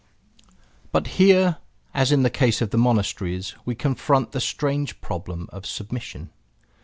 But here, as in the case of the monasteries, we confront the strange problem of submission.